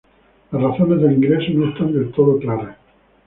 Las razones del ingreso no están del todo claras.